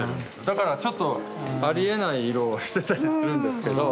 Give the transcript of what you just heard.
だからちょっとありえない色をしてたりするんですけど。